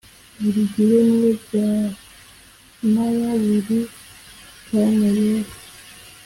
Buri gihe niyo byanaba buri kanya yewe